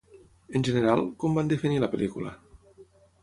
En general, com van definir la pel·lícula?